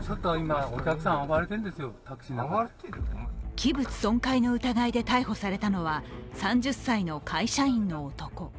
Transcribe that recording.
器物損壊の疑いで逮捕されたのは３０歳の会社員の男。